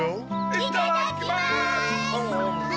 いただきます！